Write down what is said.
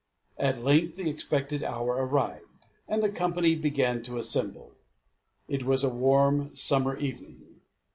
At length the expected hour arrived, and the company began to assemble. It was a warm summer evening.